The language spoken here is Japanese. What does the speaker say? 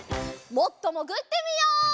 もっともぐってみよう！